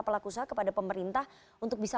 pelaku usaha kepada pemerintah untuk bisa